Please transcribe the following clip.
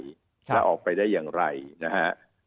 แล้วออกไปได้อย่างไรนะฮะ